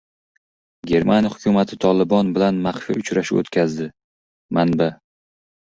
Germaniya hukumati "Tolibon" bilan maxfiy uchrashuv o‘tkazdi — manba